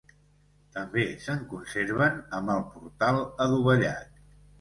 També se'n conserven amb el portal adovellat.